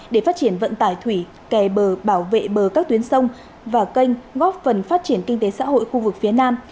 để phát triển vận tải thủy kè bờ bảo vệ bờ các tuyến sông và canh góp phần phát triển kinh tế xã hội khu vực phía nam